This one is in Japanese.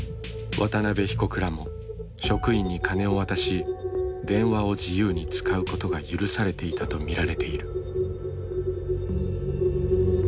渡邉被告らも職員にカネを渡し電話を自由に使うことが許されていたと見られている。